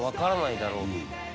だろう